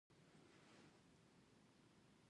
د نجونو تعلیم د ماشومانو زدکړې ته هڅوي.